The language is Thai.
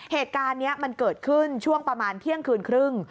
เหตุการณ์นี้มันเกิดขึ้นช่วงประมาณเที่ยงคืนครึ่ง